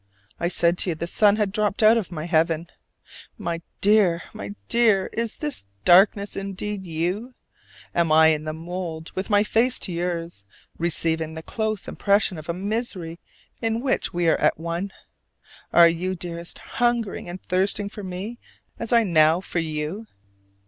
I said to you the sun had dropped out of my heaven. My dear, my dear, is this darkness indeed you? Am I in the mold with my face to yours, receiving the close impression of a misery in which we are at one? Are you, dearest, hungering and thirsting for me, as I now for you?